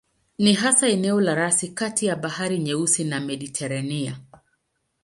Ni hasa eneo la rasi kati ya Bahari Nyeusi na Mediteranea.